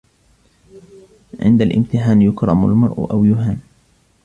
عند الامتحان يكرم المرء أو يهان